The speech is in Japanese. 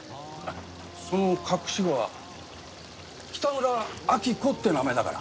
その隠し子は北村明子って名前だから。